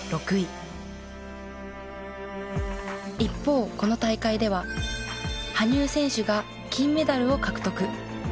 一方この大会では羽生選手が金メダルを獲得。